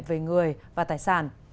về người và tài sản